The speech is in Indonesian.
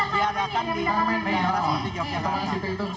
diadakan di jokowi